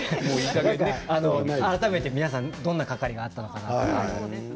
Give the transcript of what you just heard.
改めて皆さん、どんな係があったのかなって。